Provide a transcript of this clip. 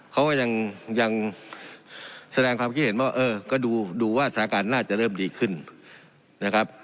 เขาก็ยังแสดงความคิดเห็นว่าเออก็ดูว่าสถานการณ์น่าจะเริ่มดีขึ้นนะครับ